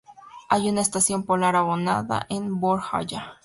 Hay una estación polar abandonada en Buor-Jaya.